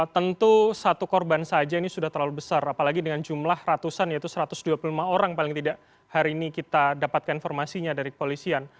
tentu satu korban saja ini sudah terlalu besar apalagi dengan jumlah ratusan yaitu satu ratus dua puluh lima orang paling tidak hari ini kita dapatkan informasinya dari kepolisian